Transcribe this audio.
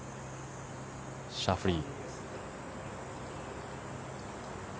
シャフリー。